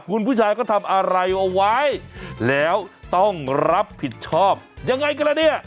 คุณผู้ชายก็ทำอะไรเอาไว้แล้วต้องรับผิดชอบยังไงกันแล้วเนี่ย